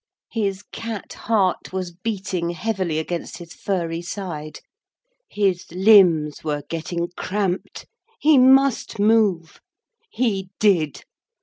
His cat heart was beating heavily against his furry side. His limbs were getting cramped he must move. He did.